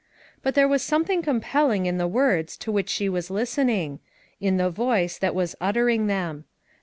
But there was something compelling in the words to which she was listening — in the voice that was uttering them.